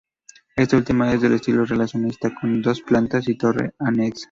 Esta última es de estilo racionalista, con dos plantas y torre anexa.